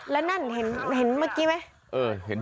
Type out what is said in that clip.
แล้วนั่นเห็นเมื่อกี้ไหม